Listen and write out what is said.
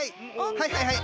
はいはいはい！